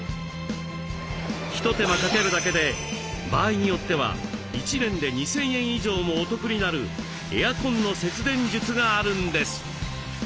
一手間かけるだけで場合によっては１年で２，０００円以上もお得になるエアコンの節電術があるんです。